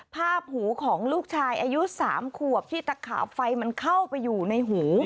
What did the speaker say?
ภาพหูของลูกชายอายุ๓ขวบที่ตะขาบไฟมันเข้าไปอยู่ในหู